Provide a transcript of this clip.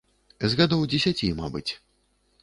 З гадоў дзесяці, мабыць.